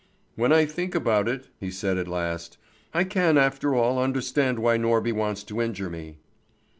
"When I think about it," he said at last, "I can after all understand why Norby wants to injure me."